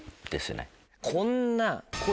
こんな。